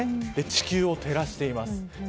地球を照らしています。